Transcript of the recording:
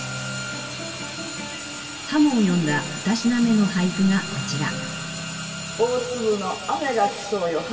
鱧を詠んだ二品目の俳句がこちら。